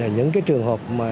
những trường hợp mà